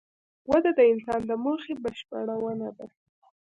وده د انسان د موخې بشپړونه ده.